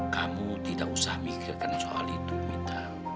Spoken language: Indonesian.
kamu tidak usah mikirkan soal itu mita